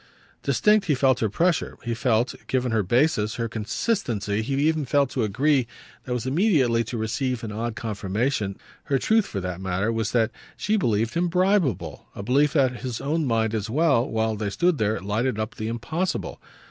Distinct he felt her pressure; he felt, given her basis, her consistency; he even felt, to a degree that was immediately to receive an odd confirmation, her truth. Her truth, for that matter, was that she believed him bribeable: a belief that for his own mind as well, while they stood there, lighted up the impossible.